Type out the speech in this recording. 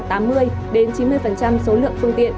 số lượng phương tiện